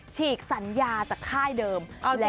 ฉีกสัญญาจากค่ายเดิม